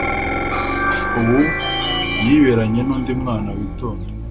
ubu yiberanye n'undi mwana witonda